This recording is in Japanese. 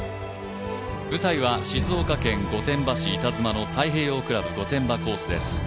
舞台は静岡県御殿場市板妻の太平洋クラブ御殿場コースです。